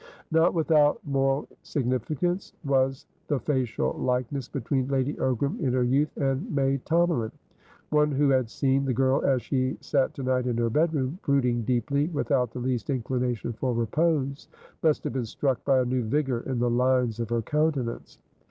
Not without moral significance was the facial likeness between Lady Ogram in her youth and May Tomalin. One who had seen the girl as she sat to night in her bedroom, brooding deeply, without the least inclination for repose, must have been struck by a new vigour in the lines of her countenance.